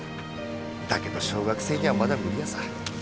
だけど小学生にはまだ無理ヤサ。